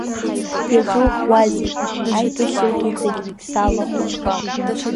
Иазуухуазеи, аибашьра дуӡӡагьы салахәын…